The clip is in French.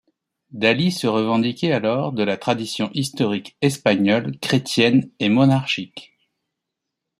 Dalí se revendiquait alors de la tradition historique Espagnole, chrétienne et monarchique.